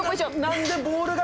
何でボールが？